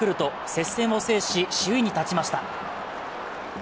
接戦を制し首位に立ちました。